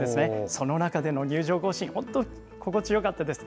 その中での入場行進、本当、心地よかったです。